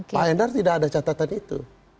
pak endar tidak ada catatan itu